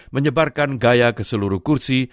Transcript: menyebarkan gaya ke seluruh kursi